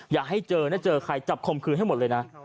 อย่าให้เจอนะเจอใครจับคมคืนให้หมดเลยนะ